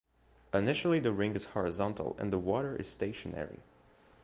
Initially the ring is horizontal and the water is stationary.